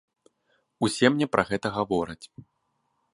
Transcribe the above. Усе мне пра гэта гавораць.